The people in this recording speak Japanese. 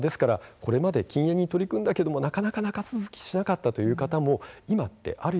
これまで禁煙に取り組んだけれどもなかなか長続きしなかったという方もいます。